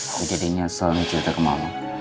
aku jadi nyesel nih cerita ke mama